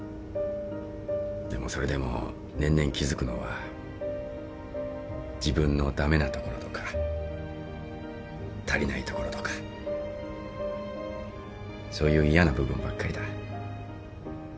でもそれでも年々気付くのは自分の駄目なところとか足りないところとかそういう嫌な部分ばっかりだ。